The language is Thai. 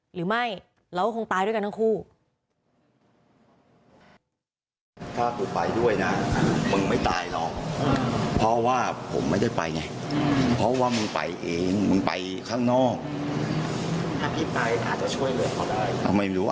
หรือไม่เราก็คงตายด้วยกันทั้งคู่